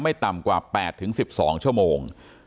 ต่ำกว่า๘๑๒ชั่วโมง